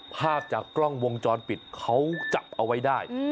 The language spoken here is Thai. ภาพจากกล้องวงจรปิดเขาจับเอาไว้ได้